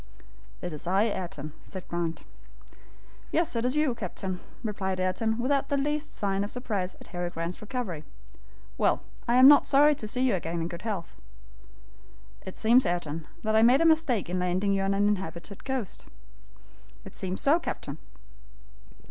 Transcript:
"It is I, Ayrton!" said Grant "Yes, it is you, captain," replied Ayrton, without the least sign of surprise at Harry Grant's recovery. "Well, I am not sorry to see you again in good health." "It seems, Ayrton, that I made a mistake in landing you on an inhabited coast." "It seems so, captain."